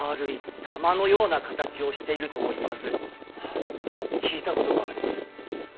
あ聞いたことがあります。